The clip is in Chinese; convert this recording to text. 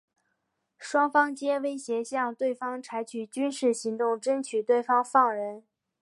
双方皆威胁向对方采取军事行动争取对方放人。